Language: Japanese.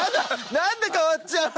何で変わっちゃうの？